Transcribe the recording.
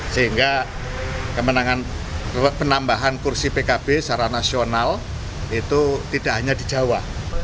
sehingga penambahan kursi pkb secara nasional itu tidak hanya di jawa